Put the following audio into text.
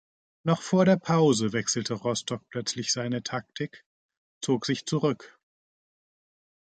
Noch vor der Pause wechselte Rostock plötzlich seine Taktik, zog sich zurück.